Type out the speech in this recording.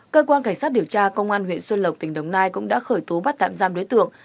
cơ quan cảnh sát điều tra công an huyện xuân lộc tỉnh đồng nai cũng đã khởi tố bắt tạm giam đối tượng